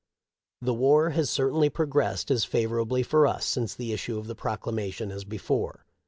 " The war has certainly progresssed as favorably for us since the issue of the proclamation as before.